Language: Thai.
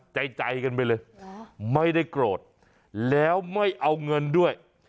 ใจใจกันไปเลยไม่ได้โกรธแล้วไม่เอาเงินด้วย